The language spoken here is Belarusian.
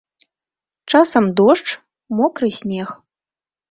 Часам дождж, мокры снег.